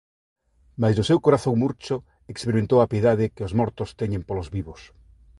Mais no seu corazón murcho experimentou a piedade que os mortos teñen polos vivos.